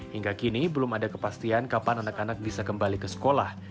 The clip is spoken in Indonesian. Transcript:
hingga kini belum ada kepastian kapan anak anak bisa kembali ke sekolah